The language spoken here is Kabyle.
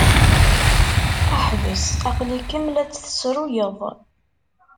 Ḥbes! Aql-ikem la tt-tessruyeḍ.